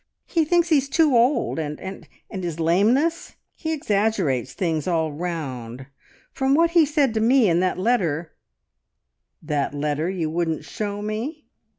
He thinks he is too old, and ... and his lameness he exaggerates things all round. From what he said to me in that letter " "That letter you wouldn't show me?"